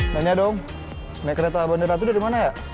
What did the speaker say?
nanya dong naik kereta bandara itu dari mana ya